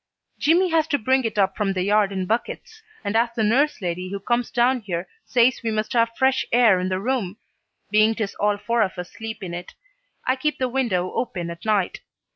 Jimmy has to bring it up from the yard in buckets, and as the nurse lady who comes down here says we must have fresh air in the room, being 'tis all four of us sleep in it, I keep the window open at night.